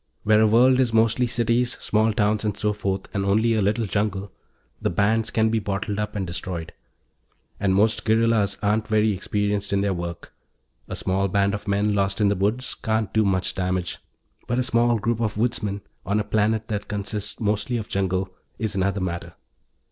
Where a world is mostly cities, small towns, and so forth, and only a little jungle, the bands can be bottled up and destroyed. And most guerrillas aren't very experienced in their work; a small band of men lost in the woods can't do much damage. But a small group of woodsmen, on a planet that consists mostly of jungle, is another matter.